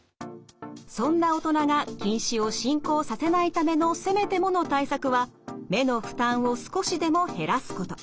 そんな大人が近視を進行させないためのせめてもの対策は目の負担を少しでも減らすこと。